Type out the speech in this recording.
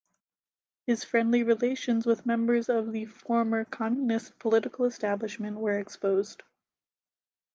His friendly relations with members of the former communist political establishment were exposed.